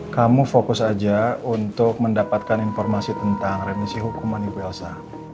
kamu fokus aja untuk mendapatkan informasi tentang remisi hukuman ibu elsa